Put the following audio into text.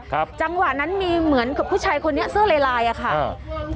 จังหวะนั้นมีเหมือนกับผู้ชายคนนี้เสื้อลายลายอ่ะค่ะอ่า